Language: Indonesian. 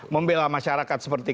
membela masyarakat seperti ini